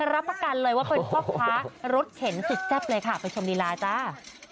รับประกันเลยว่าเป็นพ่อค้ารถเข็นสุดแซ่บเลยค่ะไปชมลีลาจ้า